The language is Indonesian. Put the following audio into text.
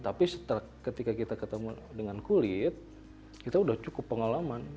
tapi ketika kita ketemu dengan kulit kita sudah cukup pengalaman